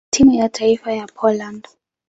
na timu ya taifa ya Poland.